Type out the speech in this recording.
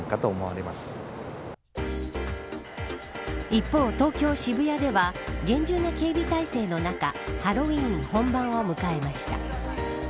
一方、東京、渋谷では厳重な警備体制の中ハロウィーン本番を迎えました。